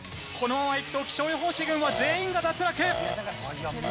このままいくと気象予報士軍は全員が脱落。